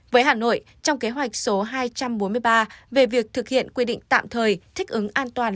với hà nội trong kế hoạch số hai trăm bốn mươi ba về việc thực hiện quy định tạm thời thích ứng an toàn